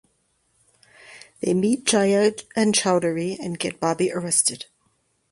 They meet Jaya and Chowdary and get Bobby arrested.